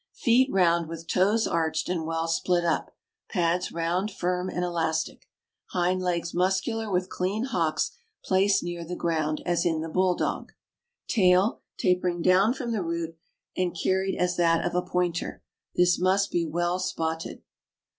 Feet round, with toes arched and well split up; pads round, firm, and elastic. Hind legs muscular, with clean hocks placed near the ground, as in the Bulldog. Tail tapering from the root, and carried as that of a Pointer; this must be well spotted.